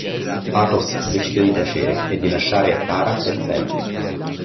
Athos decide di tacere e di lasciare Tara per sempre.